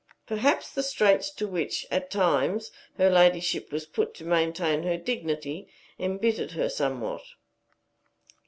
Perhaps the straits to which, at times, her ladyship was put to maintain her dignity imbittered her somewhat.